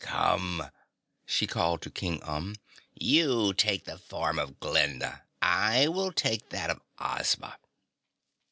Come," she called to King Umb, "you take the form of Glinda, I will take that of Ozma."